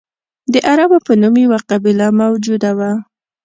د عربو په نوم یوه قبیله موجوده وه.